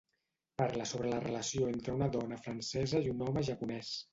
Parla sobre la relació entre una dona francesa i un home japonès.